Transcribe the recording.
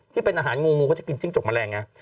ที่เป็นอาหารงูงูเขาจะกินจิ้งจกแมลงไง